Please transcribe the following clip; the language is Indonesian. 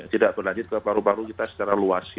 tidak berlanjut ke paru paru kita secara luas